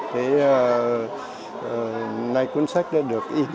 thì nay cuốn sách đã được đạt giá cao